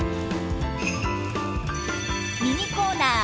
ミニコーナー